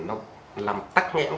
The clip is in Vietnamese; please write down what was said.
nó làm tắt nghẽn